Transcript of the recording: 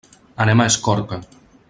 Anem a Escorca.